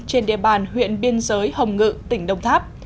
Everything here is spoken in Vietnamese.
trên địa bàn huyện biên giới hồng ngự tỉnh đông tháp